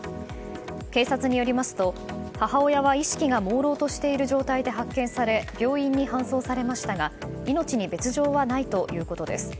警察によりますと母親は意識がもうろうとしている状態で発見され病院に搬送されましたが命に別条はないということです。